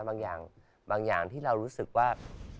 บางอย่างที่เรารู้สึกว่า